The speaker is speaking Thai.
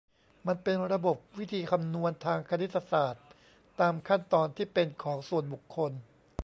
มันเป็นระบบวิธีคำนวณทางคณิตศาสตร์ตามขั้นตอนที่เป็นของส่วนบุคคล